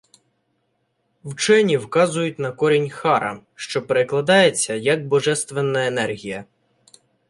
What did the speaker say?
Вчені вказують на корінь «хара», що перекладається як «божественна енергія».